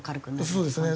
そうですね。